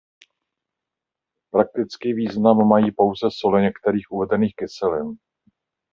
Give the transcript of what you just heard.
Praktický význam mají pouze soli některých z uvedených kyselin.